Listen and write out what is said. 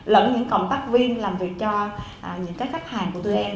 lẫn những cộng tác viên làm việc cho những khách hàng của tụi em